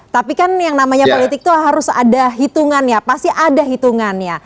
tapi kan yang namanya politik itu harus ada hitungan ya pasti ada hitungan ya